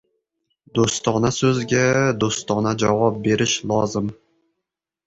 • Do‘stona so‘zga do‘stona javob berish lozim.